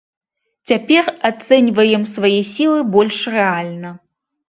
Цяпер ацэньваем свае сілы больш рэальна.